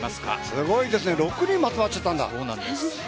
すごいですね６人も集まっちゃったんだ。